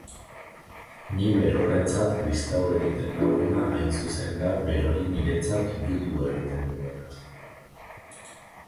Ni berorrentzat kristau egiten nauena hain zuzen da berori niretzat judu egiten duena!